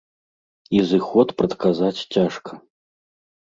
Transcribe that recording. І зыход прадказаць цяжка.